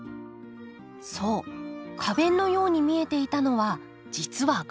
そう花弁のように見えていたのは実はがく片。